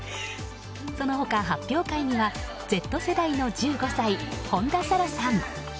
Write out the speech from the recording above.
その他、発表会にはＺ世代の１５歳本田紗来さん。